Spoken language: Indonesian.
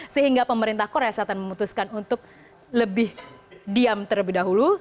sehingga pemerintah korea selatan memutuskan untuk lebih diam terlebih dahulu